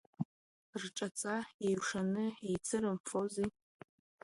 Рҿаҵа еиҩшаны еицырымфози!